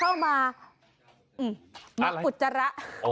เข้ามามาอุจจาระ